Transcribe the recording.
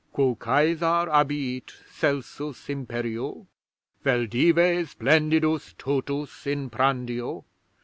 'Quo Cæsar abiit celsus imperio? Vel Dives splendidus totus in prandio?